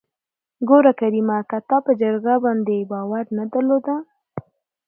ګوره کريمه که تا په جرګه باندې باور نه درلوده.